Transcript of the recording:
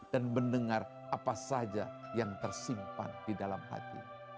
dan mendengar apa saja yang tersimpan di dalam hati